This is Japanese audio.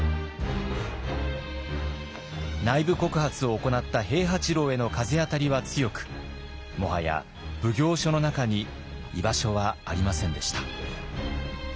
内部告発を行った平八郎への風当たりは強くもはや奉行所の中に居場所はありませんでした。